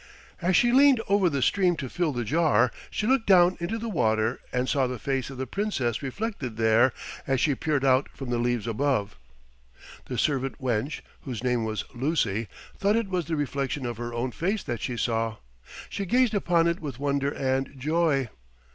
As she leaned over the stream to fill the jar she looked down into the water and saw the face of the Princess reflected there, as she peered out from the leaves above. The servant wench, whose name was Lucy, thought it was the reflection of her own face that she saw. She gazed upon it with wonder and joy.